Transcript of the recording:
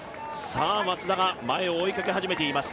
松田が前を追いかけ始めています